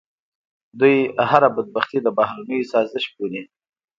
دوی هر بدبختي د بهرنیو سازش بولي.